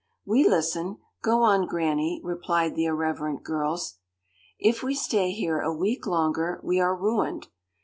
'We listen, go on, Granny,' replied the irreverent girls. 'If we stay here a week longer, we are ruined.